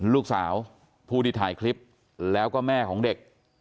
ลูกสาวผู้ที่ถ่ายคลิปแล้วก็แม่ของเด็ก